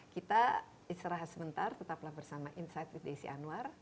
kita istirahat sebentar tetaplah bersama insight with desi anwar